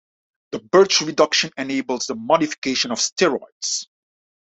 The Birch Reduction enables the modification of steroids.